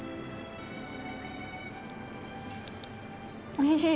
おいしい。